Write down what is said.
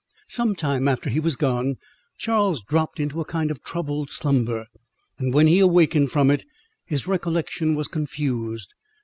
Some time after he was gone, Charles dropped into a kind of troubled slumber; and when he awakened from it, his recollection was confused.